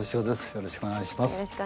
よろしくお願いします。